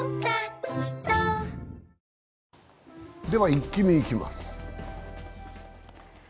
イッキ見いきます。